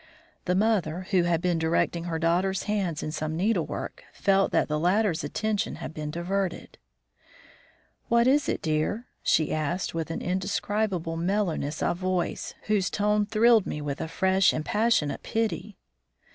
The mother, who had been directing her daughter's hands in some needlework, felt that the latter's attention had been diverted. "What is it, dear?" she asked, with an indescribable mellowness of voice, whose tone thrilled me with a fresh and passionate pity.